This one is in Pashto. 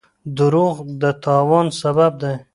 دروغ د تاوان سبب دی.